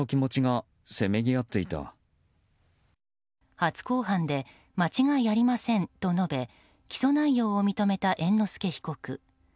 初公判で間違いありませんと述べ起訴内容を認めた猿之助被告。